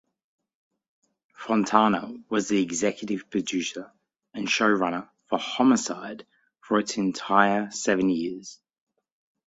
Fontana was the executive producer and showrunner for "Homicide" for its entire seven years.